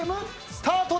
スタート！